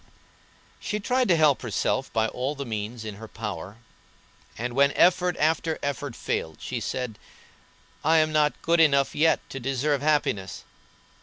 She tried to help herself by all the means in her power, and when effort after effort failed she said: "I am not good enough yet to deserve happiness.